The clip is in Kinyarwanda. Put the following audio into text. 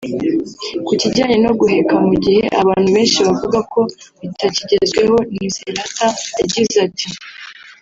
Ku kijyanye no guheka mu gihe abantu benshi bavuga ko bitakigezweho Nicelata yagize ati